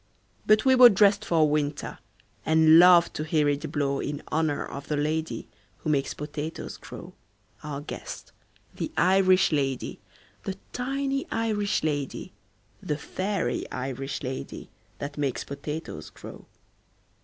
But we were dressed for winter, And loved to hear it blow In honor of the lady Who makes potatoes grow Our guest, the Irish lady, The tiny Irish lady, The fairy Irish lady That makes potatoes grow.